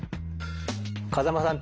風間さん